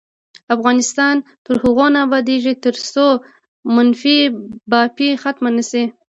افغانستان تر هغو نه ابادیږي، ترڅو منفي بافي ختمه نشي.